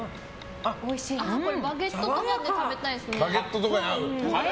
これバゲットとかで食べたいですね。